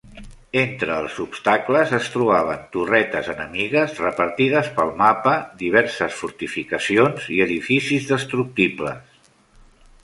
Entre els obstacles es trobaven torretes enemigues repartides pel mapa, diverses fortificacions i edificis destructibles.